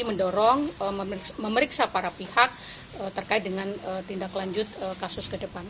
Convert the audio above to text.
mendorong memeriksa para pihak terkait dengan tindak lanjut kasus ke depan